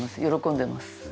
喜んでます。